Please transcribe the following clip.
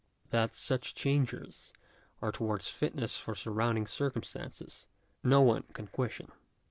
That such changes are towgnis fitness for surrounding circumstances no one can question.